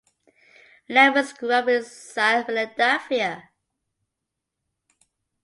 Lemons grew up in South Philadelphia.